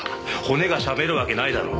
骨がしゃべるわけないだろ。